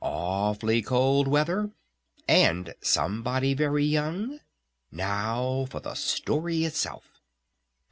Awfully cold weather? And somebody very young? Now for the story itself!